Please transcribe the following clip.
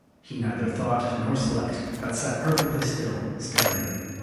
He neither thought nor slept, but sat perfectly still, staring.